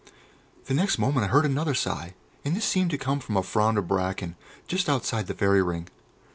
The next moment I heard another sigh, and this seemed to come from a frond of bracken just outside the fairy ring.